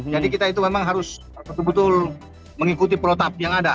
jadi kita itu memang harus betul betul mengikuti perotap yang ada